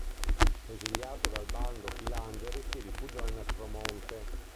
Esiliato dal bando Filangeri si rifugiò in Aspromonte.